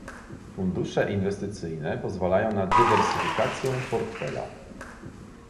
Fundusze inwestycyjne pozwalają na dywersyfikację portfela.